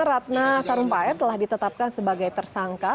ratna sarumpait telah ditetapkan sebagai tersangka